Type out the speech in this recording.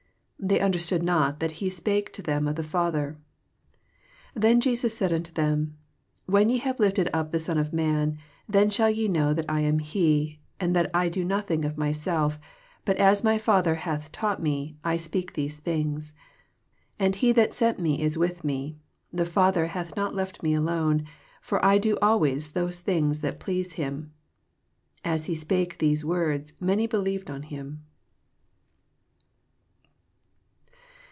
27 They understood not that he spake to them of the Father. 28 Then said Jesus nnto them, When ye have lifted np the Son of man, then shall ye know that I am he, and that I do nothing of myself; but as my Father hath taught me, I speak these things. 29 And he that sent me is with me: the Father hath not left me alone; for I do always those things that please him. 30 As he spake these words, many believed on hun.